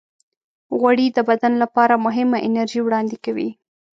غوړې د بدن لپاره مهمه انرژي وړاندې کوي.